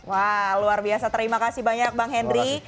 wah luar biasa terima kasih banyak bang henry